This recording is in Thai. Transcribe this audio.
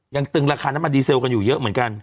ตึงราคาน้ำมันดีเซลกันอยู่เยอะเหมือนกัน